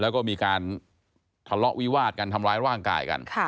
แล้วก็มีการทะเลาะวิวาดกันทำร้ายร่างกายกัน